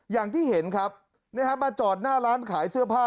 อย่างที่เห็นครับมาจอดหน้าร้านขายเสื้อผ้า